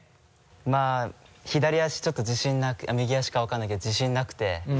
まぁ左足ちょっと右足か分からないけど自信なくて。